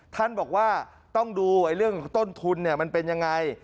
ท่านบอกว่าต้องดูเรื่องต้นทุนมันเป็นยังไง